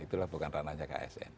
itulah bukan ranahnya kak yasin